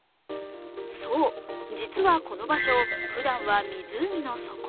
そう、実はこの場所ふだんは湖の底。